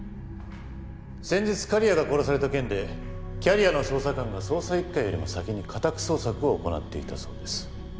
先日刈谷が殺された件でキャリアの捜査官が捜査一課よりも先に家宅捜索を行っていたそうです。